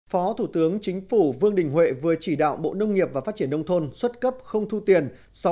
phó thủ tướng chính phủ vương đình huệ vừa chỉ đạo bộ nông nghiệp và phát triển nông thôn xuất cấp không thu tiền